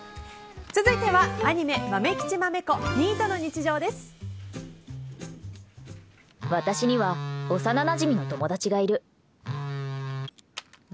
続いては、アニメ「まめきちまめこ私には幼なじみの友達がいる。